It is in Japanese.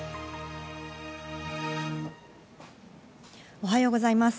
おはようございます。